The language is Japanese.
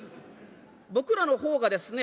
僕らの方がですね